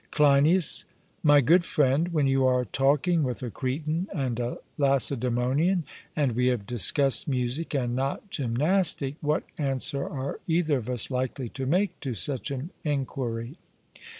CLEINIAS: My good friend, when you are talking with a Cretan and Lacedaemonian, and we have discussed music and not gymnastic, what answer are either of us likely to make to such an enquiry?